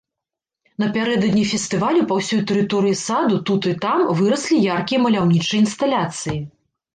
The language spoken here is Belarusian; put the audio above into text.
Напярэдадні фестывалю па ўсёй тэрыторыі саду тут і там выраслі яркія маляўнічыя інсталяцыі.